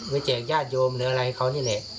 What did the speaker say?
แจกญาติโยมหรืออะไรเขานี่แหละ